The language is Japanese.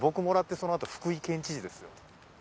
もらってそのあと福井県知事ですよ。